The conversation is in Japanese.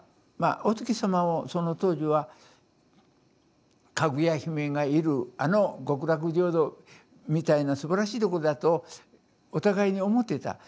まあお月様をその当時はかぐや姫がいるあの極楽浄土みたいなすばらしいところだとお互いに思っていた。